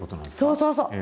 そうそうそう。